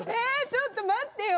ちょっと待ってよ。